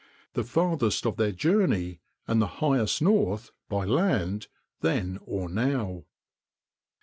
the farthest of their journey, and the highest north [by land], then or now."